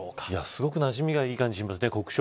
すごくなじみがいい感じがします。